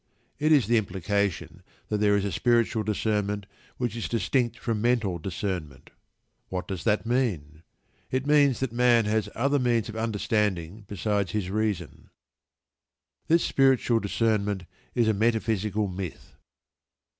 It is the implication that there is a spiritual discernment which is distinct from mental discernment. What does that mean? It means that man has other means of understanding besides his reason. This spiritual discernment is a metaphysical myth.